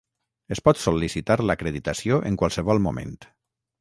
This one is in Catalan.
Es pot sol·licitar l'acreditació en qualsevol moment.